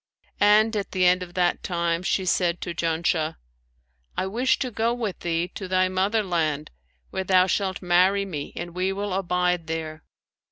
And at the end of that time she said to Janshah, 'I wish to go with thee to thy mother land, where thou shalt marry me and we will abide there.'